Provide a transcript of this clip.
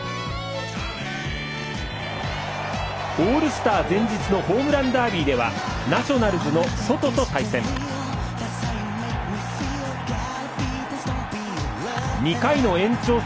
オールスター前日のホームランダービーではナショナルズのソトと対戦。